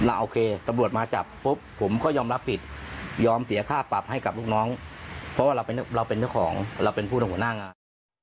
โอเคตำรวจมาจับผมก็ยอมรับผิดยอมเสียค่าปรับให้กับลูกน้องเพราะว่าเราเป็นผู้หนังหัวหน้างาน